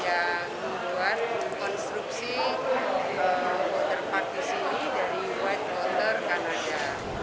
yang membuat konstruksi waterpark di sini dari whitewater kanada